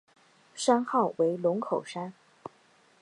山号为龙口山。